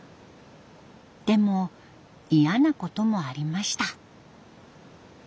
でも嫌なこともありました。